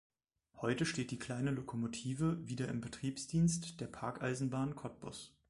Heute steht die kleine Lokomotive wieder im Betriebsdienst der Parkeisenbahn Cottbus.